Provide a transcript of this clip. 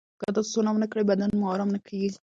که تاسو سونا ونه کاروئ، بدن مو ارام نه کېږي.